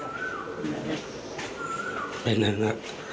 ฝ่ายกรเหตุ๗๖ฝ่ายมรณภาพกันแล้ว